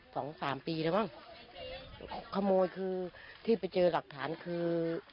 สองสามปีแล้วมั้งขโมยคือที่ไปเจอหลักฐานคือ